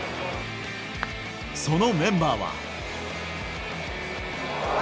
そのメンバーは。